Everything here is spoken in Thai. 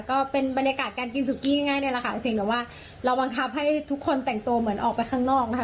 ก็เป็นบรรยากาศการกินสุกี้ง่ายเลยแหละค่ะเพียงแต่ว่าเราบังคับให้ทุกคนแต่งตัวเหมือนออกไปข้างนอกนะคะ